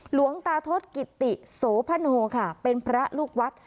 หลวงตาทศกิติโสพโนค่ะเป็นพระลูกวัด